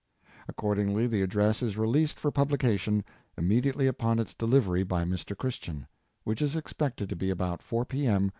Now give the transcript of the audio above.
Accordingly the address is released for publication, immediately upon its delivery by Mr. Christian, which is expected to be about 4 p. m.